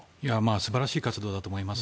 素晴らしい活動だと思います。